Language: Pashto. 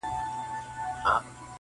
ما کتلی په ورغوي کي زما د ارمان پال دی,